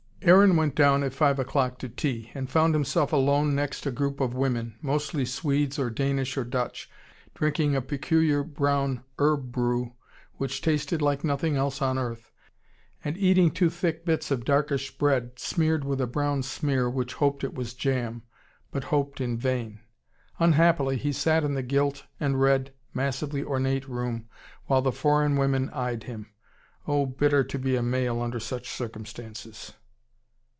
Aaron went down at five o'clock to tea, and found himself alone next a group of women, mostly Swedes or Danish or Dutch, drinking a peculiar brown herb brew which tasted like nothing else on earth, and eating two thick bits of darkish bread smeared with a brown smear which hoped it was jam, but hoped in vain. Unhappily he sat in the gilt and red, massively ornate room, while the foreign women eyed him. Oh, bitter to be a male under such circumstances.